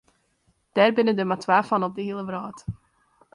Dêr binne der mar twa fan op de hiele wrâld.